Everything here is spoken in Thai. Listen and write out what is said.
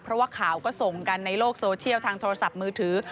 เพราะว่าข่าวก็ส่งกันในโลกโซเชียลทางโทรศัพท์มือถือ